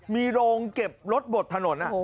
มีโรงเก็บรถบดถนน